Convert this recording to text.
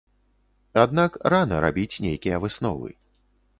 Аднак рана рабіць нейкія высновы.